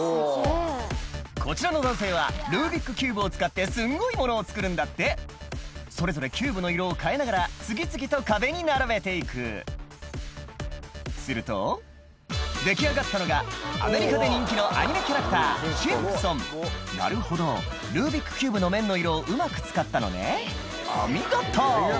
こちらの男性はルービックキューブを使ってすんごいものを作るんだってそれぞれキューブの色を変えながら次々と壁に並べて行くすると出来上がったのがアメリカで人気のアニメキャラクターシンプソンなるほどルービックキューブの面の色をうまく使ったのねお見事！